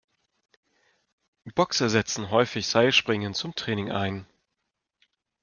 Boxer setzen häufig Seilspringen zum Training ein.